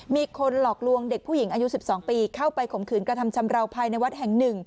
มีคนหลอกลวงเด็กผู้หญิงอายุ๑๒ปีเข้าไปข่มขืนกระทำชำราวภายในวัดแห่ง๑